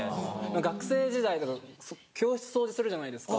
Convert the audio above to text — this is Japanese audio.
学生時代とか教室掃除するじゃないですか。